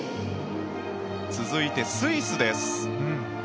続いてスイスです。